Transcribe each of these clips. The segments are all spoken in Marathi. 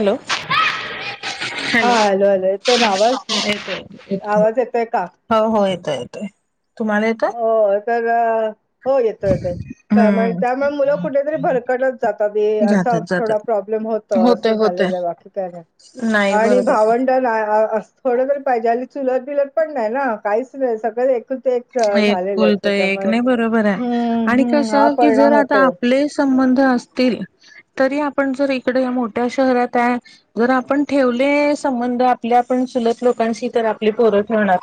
हॅलो. हा हॅलो हॅलो, येतय ना आवाज, येतोय येतोय आवाज येतय कां. हो हो येतो येतोय तुम्हाला हो तर हो येतो येतोय, हम्म त्यामुळे मुलं कुठेतरी भरकटत. जातबे असा जातात थोडा जातात प्रॉब्लेम होत होतय असं होतय झालेलं आहे बाकी काय नाही. नाही बर आणि भावंड ला आ अस थोडतरी पाहिजे चुलत बिलत पण नाही ना काहीच नाही सगळं एक ज- एक झालेले आहेत कुल तर एक त्याच्यामुळे नाही बरोबर आहे, हम्म आणि हम्म हा कसं की जर परिणाम आता होतो आपलेस. संबंध असतील तरी आपण जर इकड मोठ्या शहरात आहे. जर आपण ठेवले संबंध आपल्या पण चूलत लोकांशी तर आपली पोरं ठेवणार.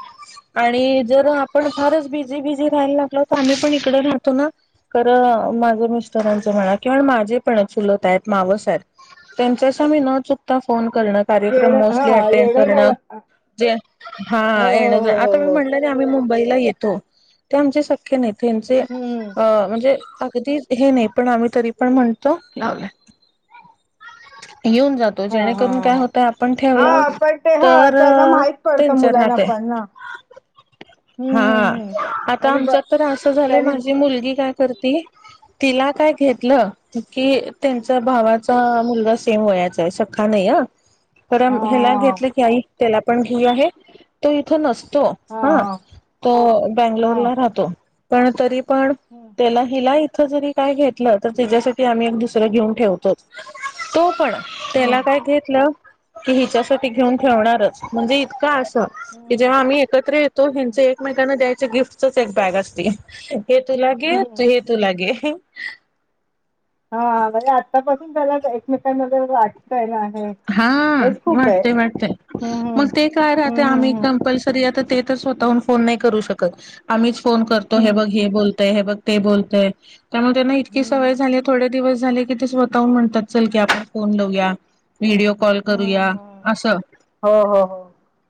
आणि जर आपण फारच बिझी बिझी राहायला लागलो तर आम्ही पण इकडे राहतो ना खरं माझं मिस्टरांचं म्हणा किंवा माझे पण चुलत आहेत मावस आहेत. त्यांच्याशी आम्ही न चुकता फोन करणारच येण कार्यक्रम मोस्ली हा अटेंड येणं करण, जाणं अ, जे हो हे हो येणं हो जाणं हो आता हो म्हणल. आम्ही मुंबईला येतो ते आमचे सक्के नाही तेंचे हम्म अ म्हणजे अगदी हे नाही पण आम्ही तरी पण म्हणतो, येऊन जातो. तो हा हा जेणेकरून हा काय हा होत आपण ठेवलं हा पण ते ह तर त्यांना माहित पडतं त्यांच मुलांना राहत. पण ना हम्म हा, हम्म हम्म आता त्यांनी ब आमच्यात तर असं झालंय त्यांनी माझी मुलगी काय करती. तिला काय घेतलं की त्यांचा भावाचा मुलगा सेम वयाचा आहे कां नाही अं. हा कारण ह्याला घेतलं की आई त्याला पण घेऊया हे तो इथं नसतो हा तो बंगलोरला राहतो पण तरी पण हं. त्याला हिला इथं जरी काय घेतलं तर त्याच्यासाठी आम्ही एक दुसरं घेऊन ठेवतोच. तो पण हम्म त्याला काय घेतलं की हिच्यासाठी घेऊन ठेवणारच म्हणजे इतका असं की जेव्हा हम्म आम्ही एकत्र येतो ह्यांचे एकमेकांना द्यायचे गिफ्टच एक बॅग अस हे तूला गे हम्म. हे तूला गे. हा म्हणजे आतापासून त्याला एकमेकांमध्ये वाटतंय ना, हे हा हेच खूप आहे वाटतेय वाटतय हम्म मग ते काय राहते आम्ही हम्म हम्म कंपल् ते तर स्वतःहून फोन नाही करू शकत, आम्हीच फोन करतो हम्म हे हम्म बघ हे बोल. हे बघ ते बोलतय त्यामुळे त्यांना इतकी हम्म सवय हम्म झालीये थोडे दिवस झाले कि ते स्व स्वतः म्हणतात चल की आपण फोन लावूया, व्हिडिओ कॉल हम्म करूया हम्म असं. हो हो.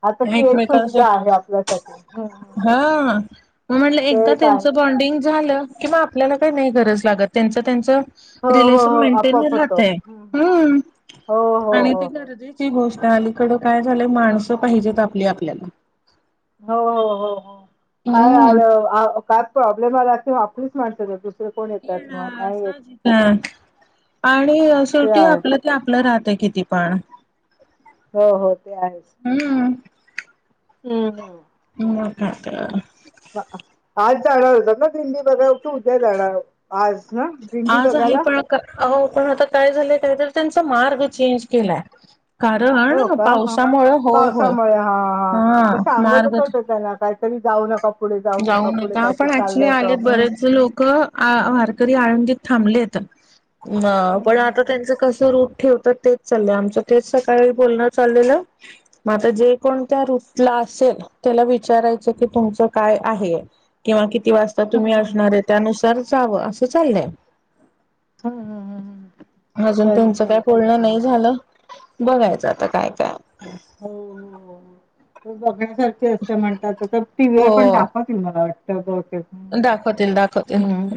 आता ती एक एकमेकांच सुविधा आहे आपल्यासाठी हम्म हा मग म्हटलं ते एकदा एक आहे त्यांच बॉन्डिंग झालं किंवा आपल्याला काही नाही गरज लागत त्यांच त्यांच हो हो रिलेशन हो मेंटेन आपोआप होतो राहते हम्म. हम. हो हो आणि ते हो हो गरजेची गोष्ट आहे, अलीकडं काय झालंय माणसं पाहिजेत आपली आपल्यात. हो हो हो हो, काय आ काय प्रॉब्लेम आला ते आपलीच माणस येतात. कोण येतात मग येणार नाही येत साहजिकय आणि ते शेवटी आहे आपलं आपलं राहतं किती पण हो हो ते आहेच. हम्म. हम्म हम्म. म काय आता आज जाणार होता ना दिल्ली बघा तू उद्या जाणार आज ना दीडी बघायला अ हो पण आता काय झालंय काहीतरी त्यांचा मार्ग चेंज केलाय कारण हा हो ना का ह पावसामुळे होय होय पावसामुळे हा हा ते सांगतच मार्ग होते त्यांना काहीतरी जाऊ नका पुढे जाऊ पुढे नका काहीतरी पण चाललं ऍक्च्युली होतं आलेत हम्म बरेच लोकं आ वारकरी आळंदीत थांबलेत. ह पण हम्म आता त्यांचं कस रूप ठेवतात ते चाललयं आमचं तेच सकाळी बोलणं चाललेलं मग आता जे कोण त्या रूट ला असेल त्याला विचारायचं की तुमचं काय आहे किंवा किती वाजता हम्म तुम्ही असणार आहे त्यानुसार जावं असं चाललंय. का अजून त्यांचा काय बोलणं नाही झालं बघायचं आता काय काय हो हो हो तेच बघण्यासारखे असते म्हणतात टी व्ही हो वर पण दाखवत [unintelligible] बहुतेक दाखवतील दाखवतील हं, हं,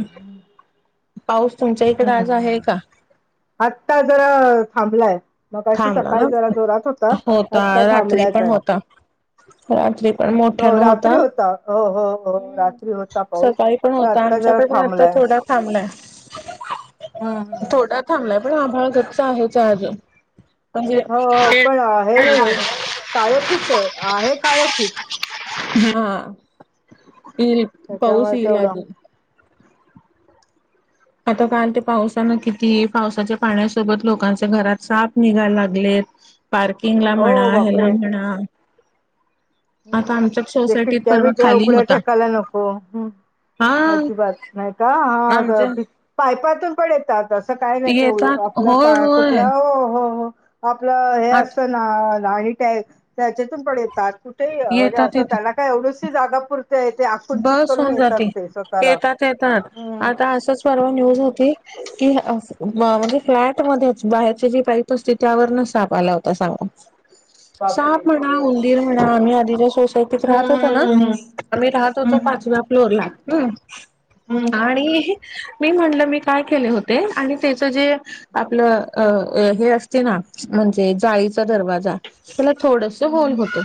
पाऊस तुमच्या हं, इकडे हं, आज आहे हं. का आत्ता जरा थांबलाय. मगाशी थांबला सकाळी ना जरा जोरात होता आत्ता रात्री थांबलाय पण जरा. होता रात्री पण मोठ्या न होता हो हो हो हो रात्री होता पाऊस पण आत्ता जरा थांबलाय थांबला आहे हम् ह्म थोडा थांबलाय पण आभाळ हाच आहेच अजून म्हणजे. हो, हो. पण हे नाहीये. [unintelligible] काळोखीच आहे आहे काळोखीच हा येईल पाऊस त्याच्यामुळे येईल तेवढं. आजून आता काल ते पावसानं किती पावसाच्या पाण्यासोबत लोकांचे घरात साप निघायला लागलेत पार्किंग ला म्हणा हो, ह्याला म्हणा आता आमच्या हम् सोसायटीत खिडक्या परवा वेगळ्या खाली उघड्या होता. टेकायला नको हम् हा अजीबात नाही का हा अगं आमच्या बी पायपातून पण येतात असं काय नाही ते येतात आपलं होय पा होय कुठला हो हो हो आपलं हे आत असतं ना आणि त्या त्याच्यातून पण येतात कुठे म्हणजे येतात असं येत त्याला काय एवढी सी जागा पुर ते हेच्या बस होऊन जाते येतात येतात हं, आता असंच परवा हं, न्यूज हं. होती कि म्हणजे फ्लॅट मध्ये बाहेरचे जे पाईप असते त्यावर न साप आला होता सामाोर बापरे! साप म्हणा, हो. उंदीर म्हणा आम्ही आधीच्या सोसायटीत हं, राहत होता ना हं, आम्ही राह त होत्या हं, हं. पाचवा फ्लोर ला हं, हं. आणि मी म्हणलं मी काय केले होते आणि त्याच जे आपलं अ हे असते ना म्हणजे जाळीचा दरवाजा त्याला थोडस होल होत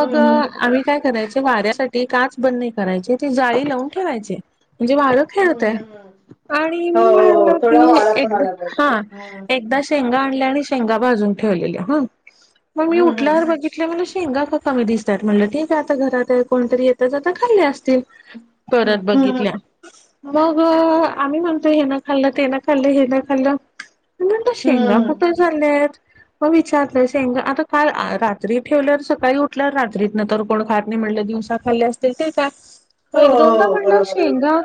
हं, हं, हं. हं, हं. आम्ही काय करायच वाऱ्यासाठी ते काच बंद नाही करायचे तेी जाळी लावून ठेवायचे म्हणजे वाळ हं, हं, हं. हं, खेळतय हं, हं. आणि हो, मी म्हणलं हो, म हो. थोडा की वारा पण एकदा आला पाहिजे. हा हं. एकदाच शेंगा आणल्या आणि शेंगा भाजून ठेवलेले हा म मी हं, हं. उठल्यावर बघित शेंगा का कामी दिसतात म्हटलं ठीक आहे आता घरात आहे कोणतरी येत तर आता खाल्ले असतील हं, परत हं, हं. बघितल्या मग आम्ही म्हणतोय हे ना खाल्लं ते ना खाल्लं हे ना खाल्लं मी म्हणलं हं, शेंगा कुठं हं. झाल्यात हो विचारतोय शेंगा आता काल रात्री ठेवल्यावर सकाळी उठल्यावर रात्रीत न तर कोण खार नाही म्हटलं दिवस आता खाल्ली असतील ते काय पण हो एक दोनदा हो म्हणलं बरोबर आहे. शेंगा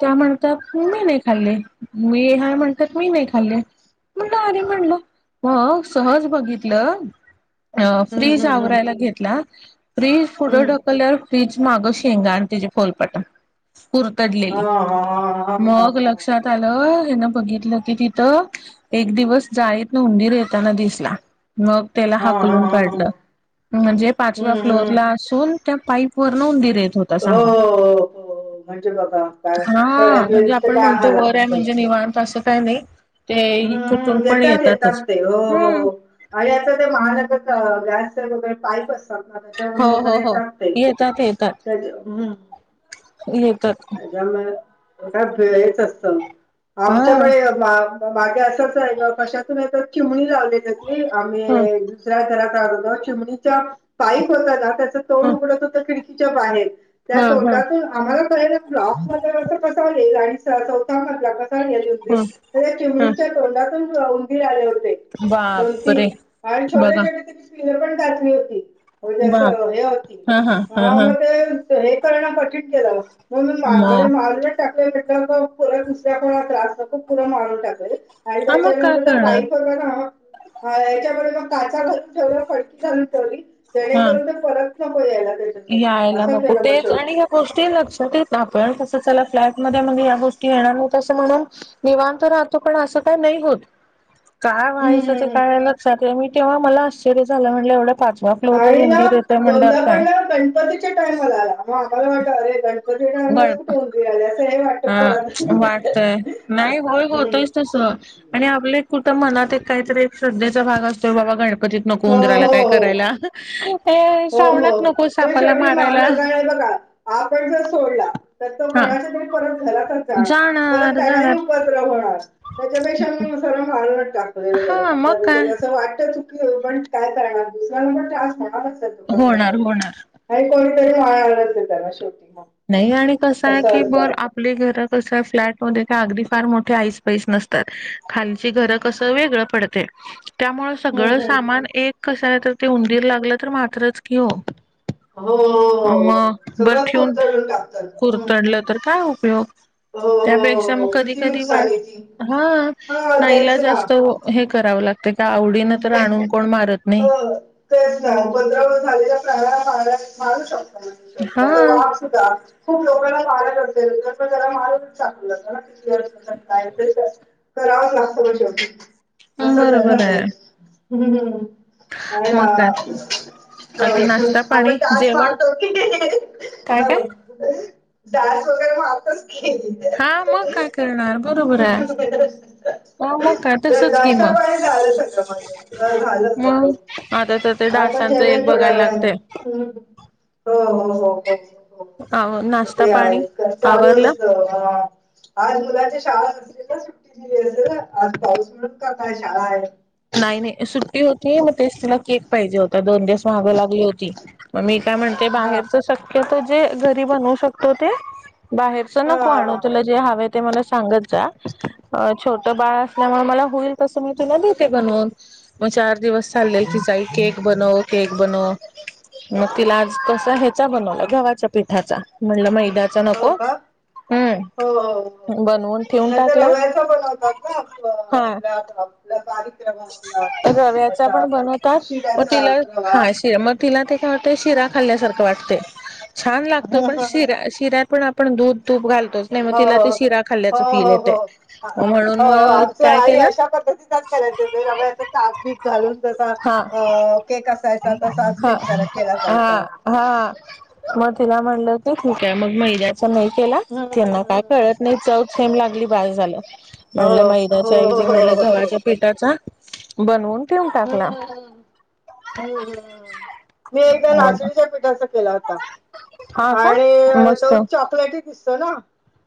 त्या म्हणतात मी नाही खाल्ले मी हाय म्हणतात मी नाही खाल्ले. म्हणलं अरे म्हणलं हो सहज बघितलं. अ हं फ्रीज हं हं आवरायला घेतला फ्रीज पुढे हं. ढकलल्यावर फ्रीज मागं शेंगा आणि तिजे फोलपट कुरतडलेली हां, हां, हां, हां, हां, मग लग लक्षात आलं हेन बघितलं की तिथं एक दिवस जाळीतन उंदीर येताना दिसला मग. त्याला हां, हां, हाकलून हां, काढलं हां. म्हणजे पाचव्या हं, फ्लोर हं. ला असून त्या पाईप वरन उंदिर येत होता. सांगा हो. म्हणजे बघा काय हा म्हणजे तळ्यात आपण काय म्हणतो हालत वर आहे असेल. म्हणजे निवाणत असं काही नाही. ते कुठून हम्म पण येतात येतात येतातच ते हो. हम्म आणि आता ते महानगर गॅसचे वगैरे पाईप असतात ते चडुन हो हो वगैरे हो येतात ते येतात येतात त्याच येतात मुळे [unintelligible] हे च असत हा आमच्या बागे असंच आहे ग कशातून येत चिमणी लावली त्यानी आम्ही ह दुस्या घरात आगोदर चिमणीच्या पाईप होता ना त्याच तोंड ह उघडत होत खिडकी च्या बाहेर त्या ह ह तोंडातून आम्हाला कळाल ब्लॉक मध्ये कसा येईल ईल आणि चौथा मजला कसा येईल. उंदीर हम्म तर त्या हा. चिमणीच्या तोंडातून उंदीर आले होते दोन तीन बापरे आणि छोटे बघा छोटे तिनं पण घातली होती जस बाप हे होती हा हा हा आ हा मग ते. हे करन कठीण केलं म्हणून [unintelligible] मग टाकटलं [unintelligible] दुसऱ्या कोणाला त्रास नको खूप पुरं मारून टाक. आणि हा मग काय त्याच्यानंतर त्या करणार पाईप वरनना हा याच्यामुळे मग काचा घालून ठेवला फडकी घालून ठेवली हा जेणेकरून ते परत. नको याईला. यायला नको तेच आणि ह्या गोष्टी लक्षात येत आपण कसं त्याला फ्लॅट मध्ये म्हणून या गोष्टी येणार नव्हत्या म्हणून निवांत राहतो पण असं काय नाही होत. काय हम्म व्हायचं हम्म ते हम्म काय लक्षात आहे मी तेव्हा मला आश्चर्य झालं म्हणलं एवढं पाचवा. आणि ना दोनदा पण ना पण गणपतीच्या टाइमला आला म आमला वाट अरे गणतीच्या टाइमला गड कुठे? उंदीर आले असं हे वाटत परत हा वाटतय नाही होय हम्म. होतच तस. आणि आपल्या एक मनात एक काहीतरी एक श्रद्धेचा भाग असतोय बाबा गणप तित नको हो उंदराला काय हो हो करायला श्रावणात नको सापाला मारायला. हाय बघा. आपण जर सोडला तर तो हा कोणाच्या तरी परत घरातच जाणार परत त्यानाही उपद्र होणार. त्यापेक्षा मग सर मारूनच टाकलेलं बर हा म मग कधी कधी काय अस वाटतच. पण काय करणार दुसऱ्याला पण त्रास म्हणालाच तो कसाही होणार करून. होणार नाही कोणीतरी मारनारच आहे त्याला शेवटी पण. नाही आणि कसं आहे की बर आप प्लेघर कस फ्लट मध्ये फार मोठे अगदी फार मोठे आईस पाईस नसतात खाल चे घर कस वेगळ पडतय त्यामुळ हम्म सगळ हम्म सामान एक. कसं आहे तर ते उंदीर लागलं तर मात्रच कीओ. हो अ म बर ठेऊन टाक चल. उतडलं तर काय उपयोग? हो त्यापेक्षा मग हो कधी किती कधी नुकसान वाट आहे ती हा हा तेच नाईलाज असतो. हे करावं लागतं का आवडीनं तर ना आणून कोण मारत हो नाही. तेच ना पंधरावा झालेल्या प्राणालार मारू शकता आता वा हा [unintelligible] [unintelligible] काय ते तर करावं लागतं. [unintelligible] हा सगळा बरोबर आहे घरच्याच हम्म हम्म. मग काय बाकी नाश्ता पाणी जेवण काय काय [unintelligible] [unintelligible] डास वगैरे माहतच ह. हा मग काय करणार बरोबर आहे. ह मग जर काटसच किमा घाशापाणी झालं सगळं माझं झालं सगळं मग आता तर ते आता डासांचं एक जेवेल थोड्या बघायला वेळाने लागतंय. हम्म हो हो हो हो. हो नाश्ता ते आहे पाणी का चालूच. आवरलं आज मुलाच्या शाळा असतील ना सुट्टी दिली असेल आज पाऊस म्हणून का काय शाळा आहे. नाही नाही सुट्टी होती मग तेच तिला केक पाहिजे होता दोन दिवस मागं लागली होती मग मी काय म्हणते हा बाहेरच सक तर ते जे घरी बनू शकतो ते बाहेरच हा नको आणू हा तुला जे हवे ते मला सांगत जा अ छोटं बाळ असल्यामुळे मला होईल तसं मी तुला देते बनवून. मग चार दिवस चाललेल तिचा आई केक बनव केक बनव मग तिला आज कसा ह्याचा बनवला गव्हाच्या पिठाचा म्हणलं मैदा चा हो नको का हम्म. हो हो हो हो बनवून ठेवून नाहीतर टाकला हा. [unintelligible] आपल्या कार्यक्रम आपला रव्याचा त्याचा पण बनवतात म तिला शिऱ्याचा हा शिरा म तिला ते काय वाटतं शिरा खाल्ल्यासारखं वाटते. छान लागतो पण रवा शिरा शिऱ्यात पण आपण दूध तूप घालतोच नाही मग हो तिला ते शिरा हो खाल्ल्याचं फील हो हो येते. हो म्हणून हो मग आमच काय आई केलं अशा पद्धतीतच करायच ते रवायच्या ताक बीक घालून जसा हा अ केक असायचा तसाच हा केक करा केला हा जायचा. हा मग तिला म्हटलं की ठीक आहे मग मैद्याच नाही केला हम्म त्यांना काय हम्म कळत नाही चौ छेम लागली बाळी झालं म्हणलं हो हो मैद्याच्या ऐवजी म्हणलं हो हो गव्हाच्या पिठाचा बनवून ठेवून हम्म टाकला. हम्म हम्म हम्म हम्म मी एकदा मग लाचणीच्या पीठाचा केला होता. हा का आणि मस्त तो चॉकलेटही दिसतो ना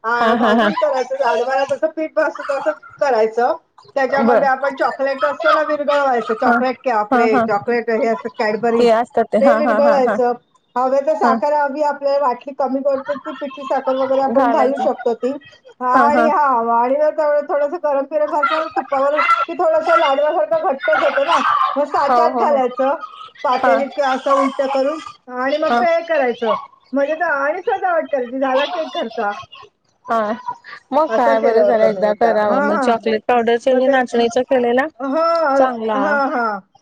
हा भाजून करायचं जाडवाला तसं पीठ भाजतो तसंच करायचं. बर त्याच्यामध्ये आपण चॉकलेट असतो ना विरगळवायचं हा चॉकलेट के हा आपले हा चॉकलेट हे असं ते कॅडबरीज असतात हा ते हा हा हा विरगळायचं हव्या ते हा साखर हवी आपल्याला वाटली कमी करत ती पिठी साखर वगरे आपण घालू घालायचे शकतो ती हा आणि हा. [unintelligible] थोडसा गरम फिरम तुपावर की थोडा लाडवासारखं घट्टच होतं ना मग हो साच्यात हो हो घालायचं हा पातेली किंवा असं उलट करून आणि मग हा ते हे करायचं म्हणजे तर आणि सजावट करायची झाला की एक खर्चा. हा मग काय केलं बरं झालं होतं मी एकदा हां करावं मग हां चॉकलेट पावडरचा हे नाचणीचा केलेला? हा चांगला हा हा.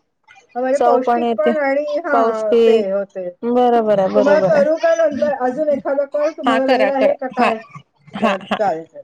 चव पौष्टिक येते पण आणि हा होते होते पौष्टिक बरोबर आहे तुम्हाला बरोबर करू आहे का नंतर अजून एखादा कॉल हा तुम्हाला वेळ करा आहे का करा हा काय हा चाल हा चालेल.